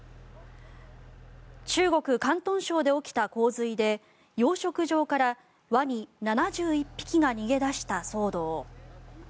中国・広東省で起きた洪水で養殖場からワニ７１匹が逃げ出した騒動。